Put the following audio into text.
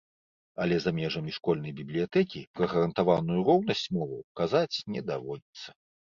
Але за межамі школьнай бібліятэкі пра гарантаваную роўнасць моваў казаць не даводзіцца.